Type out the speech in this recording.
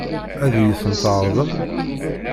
Ad iyi-ten-tɛeṛḍem?